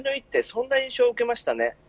そんな印象を受けました。